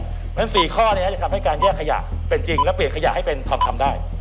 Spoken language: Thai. เพราะฉะนั้น๔ข้อนี้จะทำให้การแยกขยะเป็นจริงและเปลี่ยนขยะให้เป็นทองคำได้